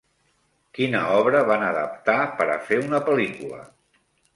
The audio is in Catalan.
Quina obra van adaptar per a fer una pel·lícula?